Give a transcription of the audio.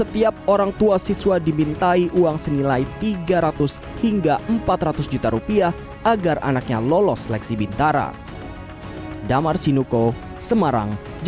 terima kasih dimintai uang senilai tiga ratus hingga empat ratus juta rupiah agar anaknya lolos seleksi bintara